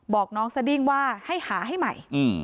บอกน้องสดิ้งว่าให้หาให้ใหม่